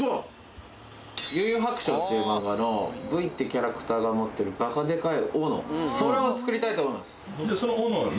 「幽☆遊☆白書」っていう漫画の武威ってキャラクターが持ってるバカでかい斧それを作りたいと思います